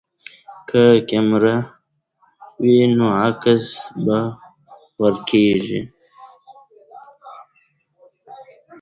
که کیمره وي نو عکس نه ورکیږي.